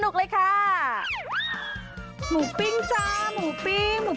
หมูปิ้งจ้าหมูปิ้งหมูปิ้งอะไรนะคะ